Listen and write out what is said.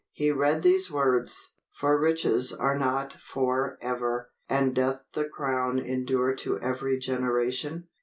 He read these words: "For riches are not for ever: and doth the crown endure to every generation?"